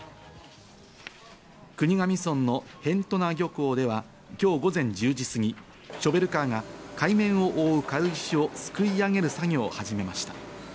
国頭村の辺土名漁港では今日午前１０時すぎ、ショベルカーが海面を覆う軽石をすくい上げる作業を始めました。